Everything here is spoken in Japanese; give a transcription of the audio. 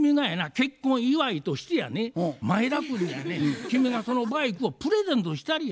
結婚祝いとしてやね前田君にやね君がそのバイクをプレゼントしたりや。